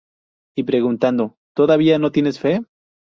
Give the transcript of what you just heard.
Y preguntando "¿Todavía no tienes fe?